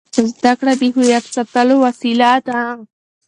زده کړه د هویت د ساتلو وسیله ده.